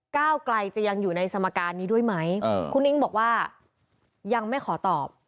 ก้าวไกลจะยังอยู่ในสมการนี้ด้วยไหมคุณอิ๊งบอกว่ายังไม่ขอตอบ